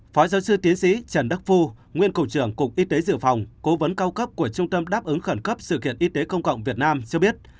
phó giáo sư tiến sĩ trần đắc phu nguyên cục trưởng cục y tế dự phòng cố vấn cao cấp của trung tâm đáp ứng khẩn cấp sự kiện y tế công cộng việt nam cho biết